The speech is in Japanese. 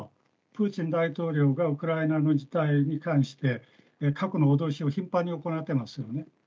プーチン大統領がウクライナの事態に対して、核の脅しを頻繁に行ってますよね。